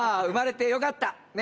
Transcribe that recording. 生まれてよかった。